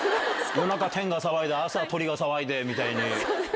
夜中テンが騒いで、朝は鳥が騒いでみたいに。